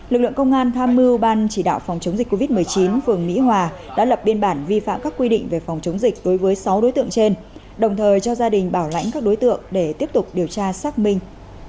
lực lượng công an tham mưu ban chỉ đạo phòng chống dịch covid một mươi chín phường mỹ hòa đã lập biên bản vi phạm các quy định về phòng chống dịch đối với sáu đối tượng trên đồng thời cho gia đình bảo lãnh các đối tượng để tiếp tục điều tra xác minh